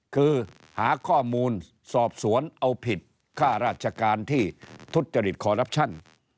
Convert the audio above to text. คือหาข้อมูลสอบสวนเอาผิดค่าราชการที่ทุจริตคอรัปชั่น